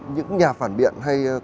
những nhà phản biện hay